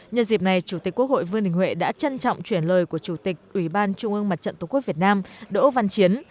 nhân dịp này chủ tịch quốc hội vương đình huệ đã trân trọng chuyển lời của chủ tịch ủy ban trung ương mặt trận tổ quốc việt nam đỗ văn chiến